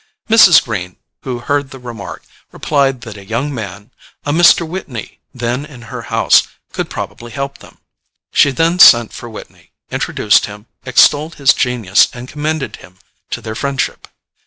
Mrs. Greene, who heard the remark, replied that a young man, a Mr. Whitney, then in her house, could probably help them. She then sent for Whitney, introduced him, extolled his genius and commended him to their friendship.